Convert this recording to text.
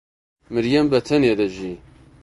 مریەم بەتەنێ دەژی.